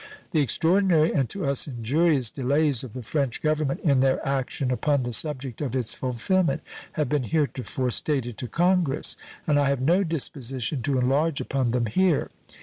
The extraordinary and to us injurious delays of the French Government in their action upon the subject of its fulfillment have been heretofore stated to Congress, and I have no disposition to enlarge upon them here.